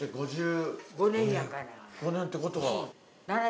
５年ってことは。